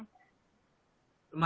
jadi rejak timur